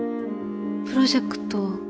プロジェクト。